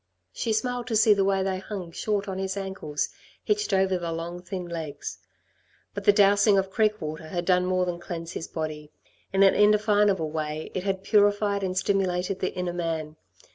She smiled to see the way they hung short of his ankles, hitched over the long, thin legs. But the dowsing of creek water had done more than cleanse his body; in an indefinable way it had purified and stimulated the inner man.